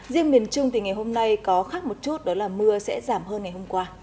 riêng miền trung thì ngày hôm nay có khác một chút đó là mưa sẽ giảm hơn ngày hôm qua